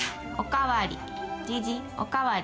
お代わり。